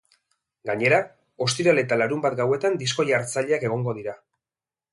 Gainera, ostiral eta larunbat gauetan disko-jartzaileak egongo dira.